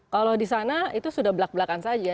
kalau di sana itu sudah belak belakan saja